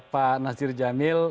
pak nasir jamil